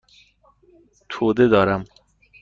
توده دارم.